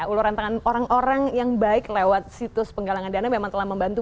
uluran tangan orang orang yang baik lewat situs penggalangan dana memang telah membantu